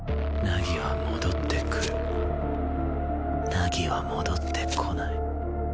凪は戻ってこない。